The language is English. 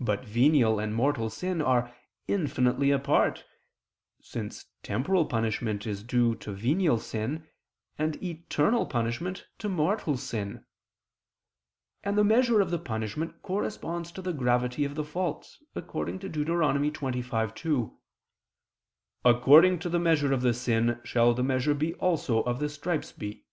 But venial and mortal sin are infinitely apart, since temporal punishment is due to venial sin, and eternal punishment to mortal sin; and the measure of the punishment corresponds to the gravity of the fault, according to Deut. 25:2: "According to the measure of the sin shall the measure be also of the stripes be."